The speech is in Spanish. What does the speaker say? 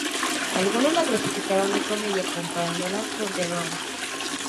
Algunos la clasificaron de comedia comparándola con The Room.